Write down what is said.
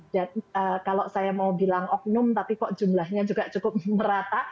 dan kalau saya mau bilang oknum tapi kok jumlahnya juga cukup merata